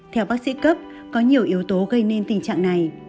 theo bác sĩ cấp có nhiều yếu tố gây nên tình trạng này